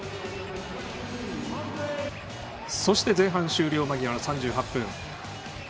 そして、前半終了間際３８分。